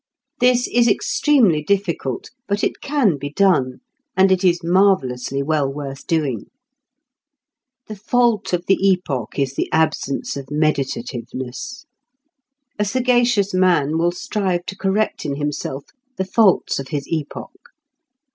This is extremely difficult, but it can be done, and it is marvellously well worth doing. The fault of the epoch is the absence of meditativeness. A sagacious man will strive to correct in himself the faults of his epoch.